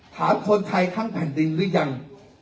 ถามคนไทยทั้งแผ่นดินหรือยัง